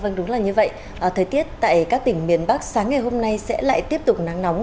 vâng đúng là như vậy thời tiết tại các tỉnh miền bắc sáng ngày hôm nay sẽ lại tiếp tục nắng nóng